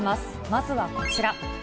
まずはこちら。